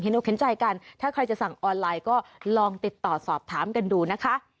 อกเห็นใจกันถ้าใครจะสั่งออนไลน์ก็ลองติดต่อสอบถามกันดูนะคะ